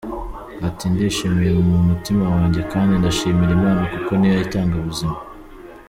Ati “Ndishimiye mu mutima wanjye kandi ndashimira Imana kuko niyo itanga ubuzima.